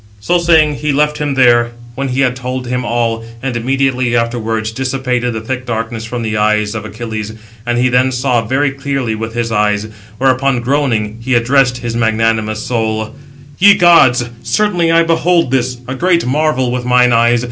So saying, he left him there, when he had told him all, and immediately afterwards dissipated the thick darkness from the eyes of Achilles, and he then saw very clearly with his eyes; whereupon groaning, he addressed his magnanimous soul: "Ye gods! certainly I behold this, a great marvel with mine eyes.